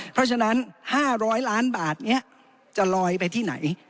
เพราะฉะนั้น๕๐๐ล้านบาทนี้จะลอยไปที่ไหน